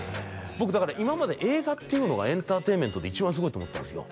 僕だから今まで映画っていうのがエンターテインメントで一番すごいと思ってたんですよ